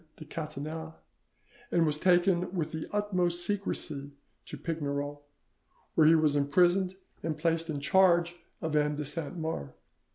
de Catinat, and taken with the utmost secrecy to Pignerol, where he was imprisoned and placed in charge of M. de Saint Mars.